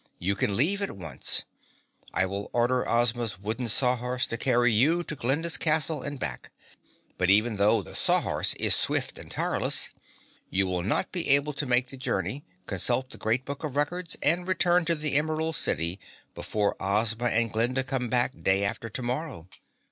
"You can leave at once. I will order Ozma's wooden Sawhorse to carry you to Glinda's Castle and back. But even though the Sawhorse is swift and tireless, you will not be able to make the journey, consult the Great Book of Records and return to the Emerald City before Ozma and Glinda come back day after tomorrow.